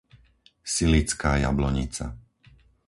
Silická Jablonica